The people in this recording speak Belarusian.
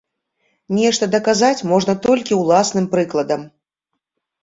Нешта даказаць можна толькі ўласным прыкладам.